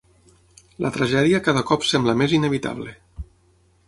La tragèdia cada cop sembla més inevitable.